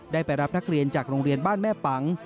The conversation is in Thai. ไปรับนักเรียนจากโรงเรียนบ้านแม่ปัง